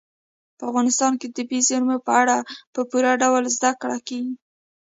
په افغانستان کې د طبیعي زیرمو په اړه په پوره ډول زده کړه کېږي.